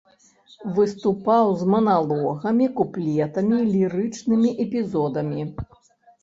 Выступаў з маналогамі, куплетамі, лірычнымі эпізодамі.